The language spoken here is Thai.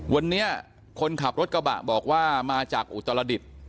วันนี้คนขับรถกระบะบอกว่ามาจากอุตรดิษฐ์ก็ขับรถกระบะมา